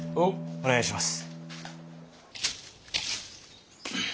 お願いします。